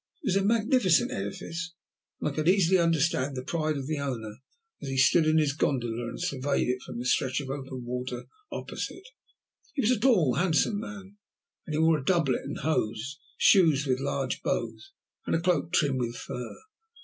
It was a magnificent edifice, and I could easily understand the pride of the owner as he stood in his gondola and surveyed it from the stretch of open water opposite. He was a tall and handsome man, and wore a doublet and hose, shoes with large bows, and a cloak trimmed with fur.